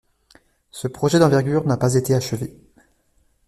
Ce projet d'envergure n'a pu être achevé.